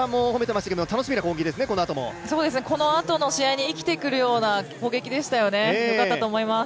このあとの試合に生きてくるような攻撃でしたよね、よかったと思います。